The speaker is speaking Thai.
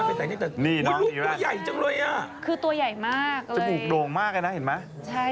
พ่อยสวยขึ้นเยียะตอนเนี้ย